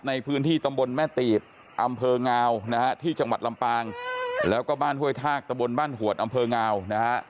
ในพื้นที่ตำบลแม่ตีบอำเภองาวนะฮะที่จังหวัดลำปางแล้วก็บ้านห้วยทากตะบนบ้านหวดอำเภองาวนะฮะ